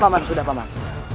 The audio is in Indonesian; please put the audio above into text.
paman sudah paman